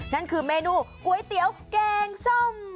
นั่นคือเมนูก๋วยเตี๋ยวแกงส้ม